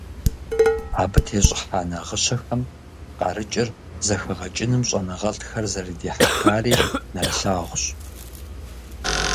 Абы тещIыхьа нагъыщэхэм къарыкIыр зэхэгъэкIыным щIэныгъэлIхэр зэрыдихьэхари нэрылъагъущ.